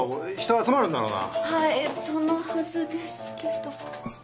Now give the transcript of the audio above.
はいそのはずですけど。